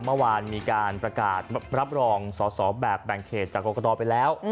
เมื่อวานมีการประกาศรับรองสอสอแบบแบ่งเขตจากกรกตไปแล้ว